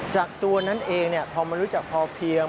จากตัวนั้นเองพอมันรู้จักพอเพียง